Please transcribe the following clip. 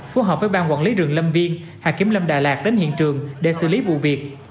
phù hợp với bang quản lý rừng lâm viên hà kiếm lâm đà lạt đến hiện trường để xử lý vụ việc